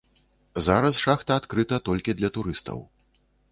Зараз шахта адкрыта толькі для турыстаў.